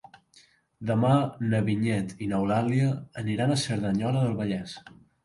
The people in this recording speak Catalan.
Demà na Vinyet i n'Eulàlia aniran a Cerdanyola del Vallès.